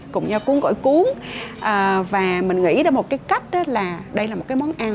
cùng nhau cuốn gõi cuốn và mình nghĩ ra một cái cách là đây là một cái món ăn